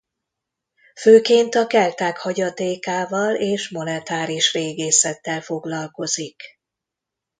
Főként a kelták hagyatékával és monetáris régészettel foglalkozik.